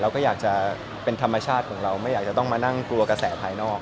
เราก็อยากจะเป็นธรรมชาติของเราไม่อยากจะต้องมานั่งกลัวกระแสภายนอก